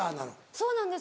そうなんです